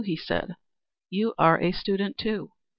he said. "You are a student, too.